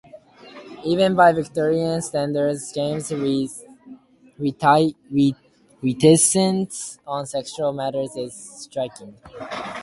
Even by Victorian standards, James's reticence on sexual matters is striking.